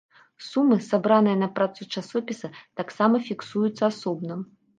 Сумы, сабраныя на працу часопіса, таксама фіксуюцца асобна.